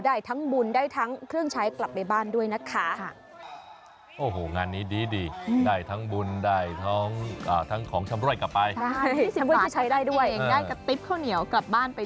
ได้ทั้งบุญได้ทั้งเครื่องใช้กลับไปบ้านด้วยนะคะ